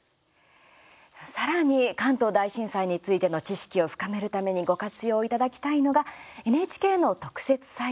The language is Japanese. さらに、関東大震災についての知識を深めるためにご活用いただきたいのがＮＨＫの特設サイトです。